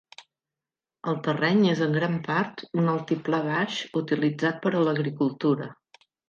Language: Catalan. El terreny és en gran part un altiplà baix utilitzat per a l'agricultura.